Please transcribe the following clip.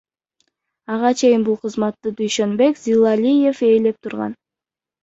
Ага чейин бул кызматты Дүйшөнбек Зилалиев ээлеп турган.